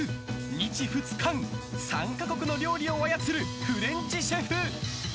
日仏韓、３か国の料理を操るフレンチシェフ。